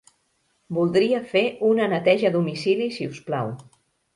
Voldria fer una neteja a domicili, si us plau.